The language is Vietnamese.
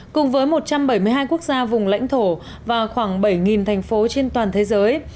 cùng với một trăm bảy mươi hai quốc gia vùng lãnh thổ và khoảng bảy thành phố trên toàn thế giới